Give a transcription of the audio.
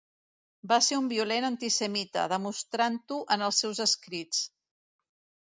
Va ser un violent antisemita, demostrant-ho en els seus escrits.